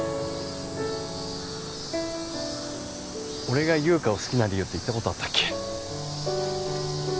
俺が優香を好きな理由って言った事あったっけ？